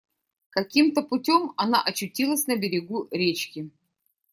Каким-то путем она очутилась на берегу речки.